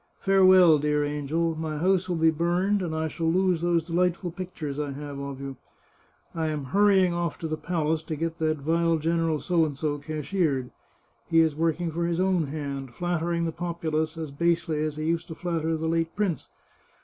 Farewell, dear angel. My house will be burned, and I shall lose those delightful pictures I have of you. I am hurrying off to the palace to get that vile General P cashiered. He is working for his own hand, flattering the populace as basely as he used to flatter the late prince.